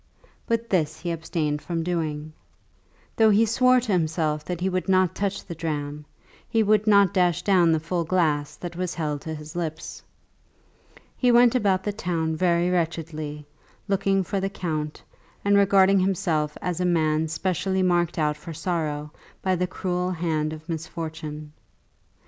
But this he abstained from doing. Though he swore to himself that he would not touch the dram, he would not dash down the full glass that was held to his lips. He went about the town very wretchedly, looking for the count, and regarding himself as a man specially marked out for sorrow by the cruel hand of misfortune.